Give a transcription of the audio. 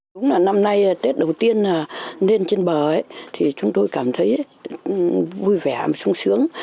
đúng là năm nay tết đầu tiên lên trên bờ thì chúng tôi cảm thấy vui vẻ và sung sướng